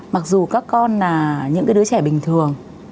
mặc dù các con là những cái đứa trẻ bình thường